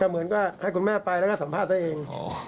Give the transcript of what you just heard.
เหมือนก็ให้คุณแม่ไปแล้วก็สัมภาษณ์ซะเอง